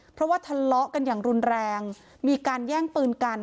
เพราะว่าทะเลาะกันอย่างรุนแรงมีการแย่งปืนกัน